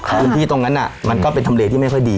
พื้นที่ตรงนั้นมันก็เป็นทำเลที่ไม่ค่อยดี